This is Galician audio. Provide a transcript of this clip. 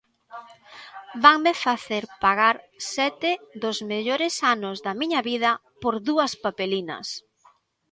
Vanme facer pagar sete dos mellores anos da miña vida por dúas papelinas!